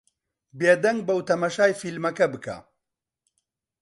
بێدەنگ بە و تەماشای فیلمەکە بکە.